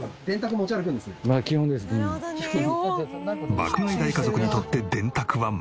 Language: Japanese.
爆買い大家族にとって電卓はマスト。